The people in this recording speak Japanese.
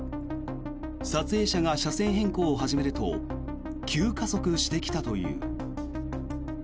撮影者が車線変更を始めると急加速してきたという。